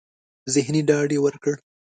ذهني ډاډ يې ورکړ.